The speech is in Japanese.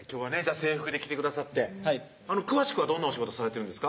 制服で来てくださってはい詳しくはどんなお仕事されてるんですか？